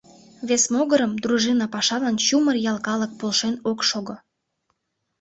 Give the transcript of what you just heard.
Вес могырым, дружина пашалан чумыр ял калык полшен ок шого.